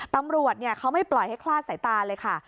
ตำรวจเขาไม่ปล่อยให้คลาดสายตาเลยค่ะ